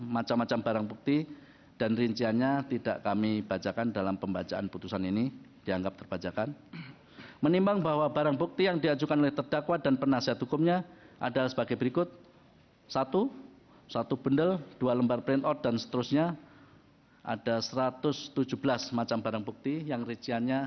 macam macam barang bukti dan rinciannya